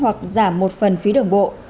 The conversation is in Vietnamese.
hoặc giảm một phần phí đường bộ